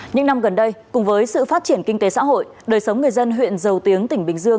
những năm gần đây cùng với sự phát triển kinh tế xã hội đời sống người dân huyện dầu tiếng tỉnh bình dương